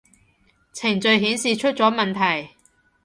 程序顯示出咗問題